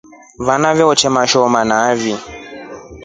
Vana vete mashoma nai.